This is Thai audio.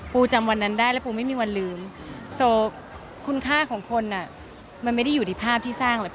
จำวันนั้นได้แล้วปูไม่มีวันลืมคุณค่าของคนอ่ะมันไม่ได้อยู่ที่ภาพที่สร้างเลย